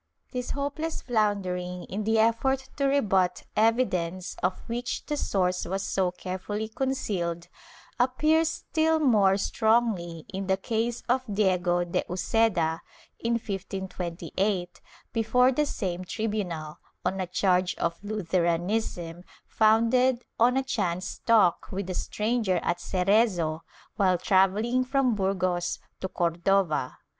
^ This hopeless floundering in the effort to rebut evidence of which the source was so carefully concealed appears still more strongly in the case of Diego de Uceda, in 1528, before the same tribunal, on a charge of Lutheranism, founded on a chance talk with a stranger at Cerezo, while travelling from Burgos to Cor dova.